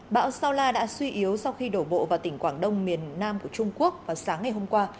bão sao la đã suy yếu sau khi đổ bộ vào tỉnh quảng đông miền nam của trung quốc vào sáng ngày hôm qua